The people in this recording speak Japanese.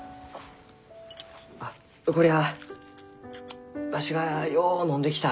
あっこりゃあわしがようのんできた熱冷ましじゃ。